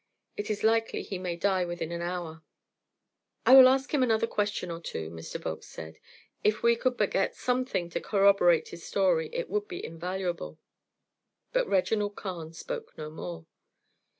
It is likely he may die within an hour." "I will ask him another question or two," Mr. Volkes said. "If we could but get something to corroborate his story, it would be invaluable." But Reginald Carne spoke no more.